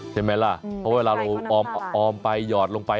ใช่ไหมล่ะเพราะเวลาเราออมไปหยอดลงไป